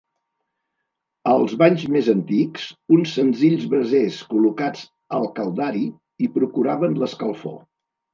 Als banys més antics, uns senzills brasers col·locats al caldari hi procuraven l'escalfor.